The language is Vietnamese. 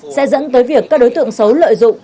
sẽ dẫn tới việc các đối tượng xấu lợi dụng